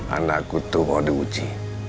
anakku itu baru diuji